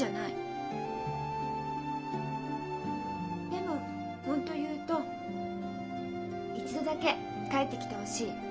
でも本当言うと一度だけ帰ってきてほしい。